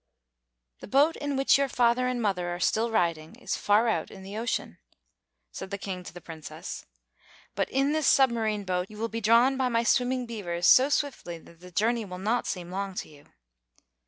"The boat in which your father and mother are still riding is far out in the ocean," said the King to the Princess; "but in this submarine boat you will be drawn by my swimming beavers so swiftly that the journey will not seem long to you."